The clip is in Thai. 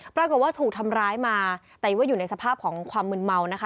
ปรากฏว่าถูกทำร้ายมาแต่ว่าอยู่ในสภาพของความมืนเมานะคะ